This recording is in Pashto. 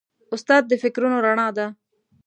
استاد د فکرونو رڼا ده.